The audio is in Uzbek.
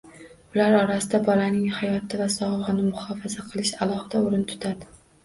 Ular orasida bolaning hayoti va sog‘lig‘ini muhofaza qilish alohida o‘rin tutadi